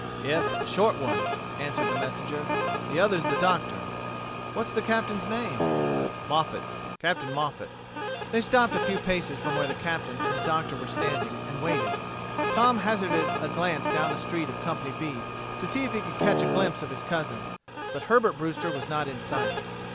"Yep the short one," answered the messenger. "The other's the doctor." "What's the Captain's name?" "Moffat Captain Moffat." They stopped a few paces from where the Captain and the doctor were standing, and waited. Tom hazarded a glance down the street of Company B to see if he could catch a glimpse of his cousin, but Herbert Brewster was not in sight.